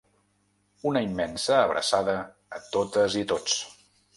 Una immensa abraçada a totes i tots!